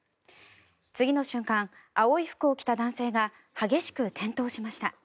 次の瞬間、青い服を着た男性が激しく転倒しました。